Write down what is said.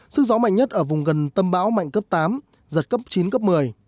sức gió mạnh nhất ở vùng gần tâm bão mạnh cấp tám giật cấp chín cấp một mươi